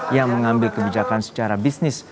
yang mengambil kebijakan secara bisnis